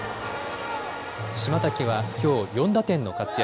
島瀧はきょう４打点の活躍。